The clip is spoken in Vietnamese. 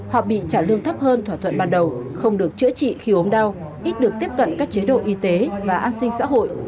họ bị trả lương thấp hơn thỏa thuận ban đầu không được chữa trị khi ốm đau ít được tiếp cận các chế độ y tế và an sinh xã hội